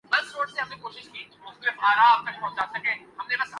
اس کوشش میں تاریخ کو مسخ کرنے کا عمل بھی جاری ہے۔